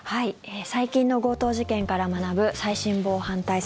最近の強盗事件から学ぶ最新防犯対策。